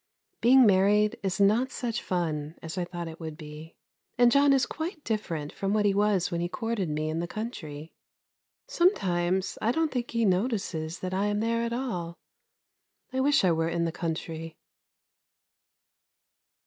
Being married is not such fun as I thought it would be, and John is quite different from what he was when he courted me in the country. Sometimes I don't think he notices that I am there at all. I wish I were in the country.